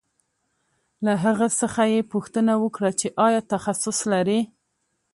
له هغه څخه یې پوښتنه وکړه چې آیا تخصص لرې